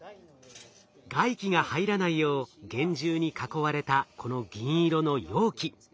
外気が入らないよう厳重に囲われたこの銀色の容器。